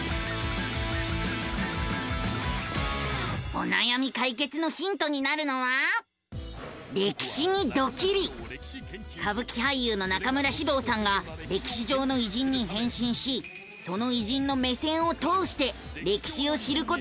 おなやみ解決のヒントになるのは歌舞伎俳優の中村獅童さんが歴史上の偉人に変身しその偉人の目線を通して歴史を知ることができる番組なのさ！